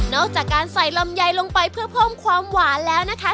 อกจากการใส่ลำไยลงไปเพื่อเพิ่มความหวานแล้วนะคะ